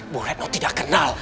bu redno tidak kenal